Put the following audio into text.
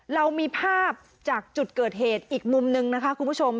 เรามีภาพจากจุดเกิดเหตุอีกมุมนึงนะคะคุณผู้ชม